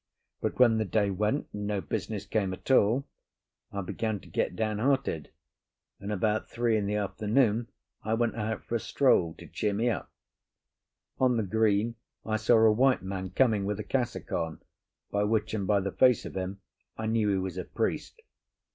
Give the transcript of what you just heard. But when the day went, and no business came at all, I began to get downhearted; and, about three in the afternoon, I went out for a stroll to cheer me up. On the green I saw a white man coming with a cassock on, by which and by the face of him I knew he was a priest.